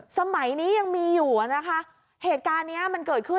สมัยนี้ยังมีอยู่อ่ะนะคะเหตุการณ์เนี้ยมันเกิดขึ้น